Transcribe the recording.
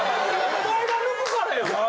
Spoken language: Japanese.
お前が抜くからや。